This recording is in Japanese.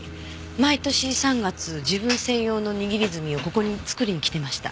毎年３月自分専用の握り墨をここに作りに来てました。